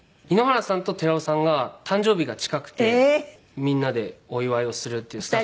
井ノ原さんと寺尾さんが誕生日が近くてみんなでお祝いをするっていう。